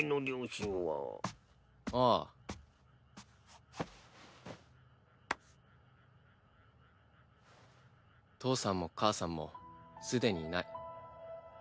ストンパン父さんも母さんもすでにいない。